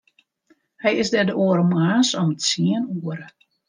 Hy is der de oare moarns om tsien oere.